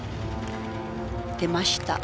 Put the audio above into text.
出ました。